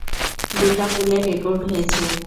দুটা পুলে রেকর্ড হয়েছে।